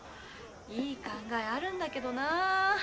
いい考えあるんだけどなあ。